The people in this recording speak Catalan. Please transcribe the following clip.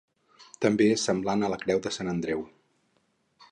També és semblant a la creu de Sant Andreu.